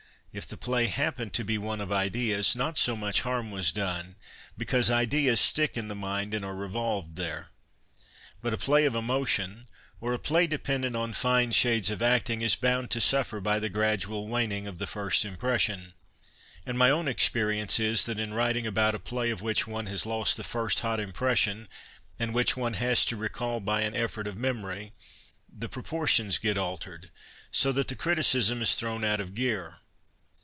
If the play happened to be one " of ideas," not so mueh harm was done, bceause ideas stick in the mind, and arc revolved there. But a play of emotion or a play dependent on fine shades of acting is bound to suffer by the gradual waning of the first impression. And my own experience is that in writing about a play of which one has lost the first hot impression, and which one has to recall by an effort of memory, the proportions get altered, so that the criticism is thrown out of gear.